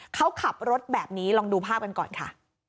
เขาขับรถแบบนี้ลองดูภาพกันก่อนค่ะ